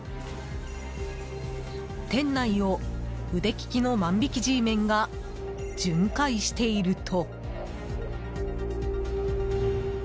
店内を、腕利きの万引きＧメンが巡回していると。